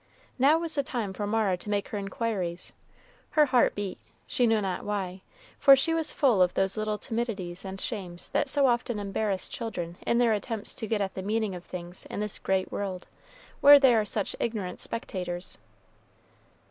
Now was the time for Mara to make her inquiries; her heart beat, she knew not why, for she was full of those little timidities and shames that so often embarrass children in their attempts to get at the meanings of things in this great world, where they are such ignorant spectators.